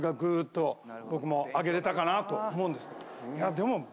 でも。